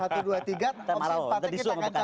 tadi malah lo tadi disuruh ngebekas